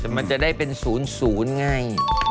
แต่มันจะได้เป็น๐๐ไง